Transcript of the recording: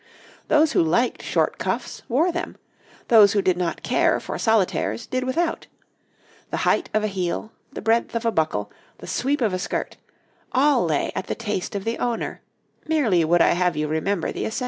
Those who liked short cuffs wore them, those who did not care for solitaires did without; the height of a heel, the breadth of a buckle, the sweep of a skirt, all lay at the taste of the owner merely would I have you remember the essentials.